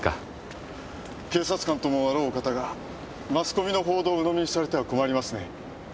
警察官ともあろうお方がマスコミの報道を鵜呑みにされては困りますね。